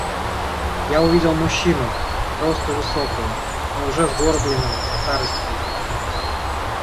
Я увидел мужчину росту высокого, но уже сгорбленного старостию.